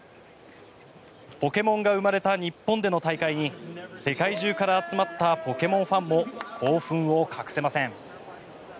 「ポケモン」が生まれた日本での大会に世界中から集まった「ポケモン」ファンも興奮を隠せません。